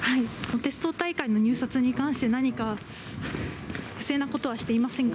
テスト大会の入札に関して、何か不正なことはしていませんか？